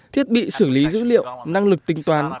thiết bị xử lý dữ liệu năng lực tính toán